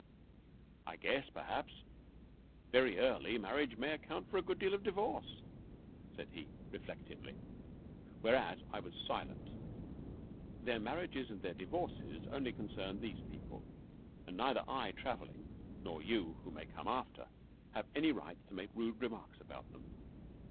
"I guess, perhaps, very early marriage may account for a good deal of the divorce," said he, reflectively. Whereat I was silent. Their marriages and their divorces only concern these people; and neither I travelling, nor you, who may come after, have any right to make rude remarks about them.